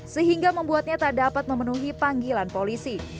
sehingga membuatnya tak dapat memenuhi panggilan polisi